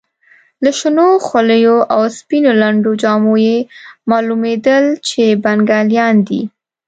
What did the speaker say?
له شنو خولیو او سپینو لنډو جامو یې معلومېدل چې بنګالیان دي.